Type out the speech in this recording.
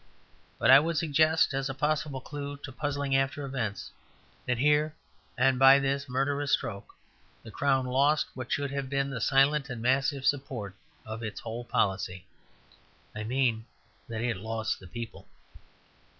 But I would suggest, as a possible clue to puzzling after events, that here and by this murderous stroke the crown lost what should have been the silent and massive support of its whole policy. I mean that it lost the people.